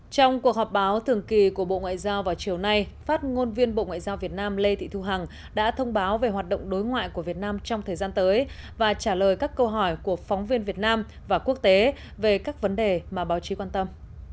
trong cuộc họp báo thường kỳ của bộ ngoại giao vào chiều nay phát ngôn viên bộ ngoại giao việt nam lê thị thu hằng đã thông báo về hoạt động đối ngoại của việt nam trong thời gian tới và trả lời các câu hỏi của phóng viên việt nam và quốc tế về các vấn đề mà báo chí quan tâm